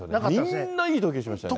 みんな、いい動きしましたよね。